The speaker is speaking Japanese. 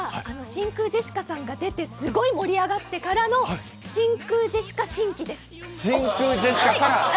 真空ジェシカさんが出てすごく盛り上がってからの真空ジェシカ新規です。